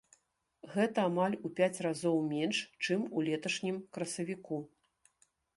Гэта амаль у пяць разоў менш, чым у леташнім красавіку.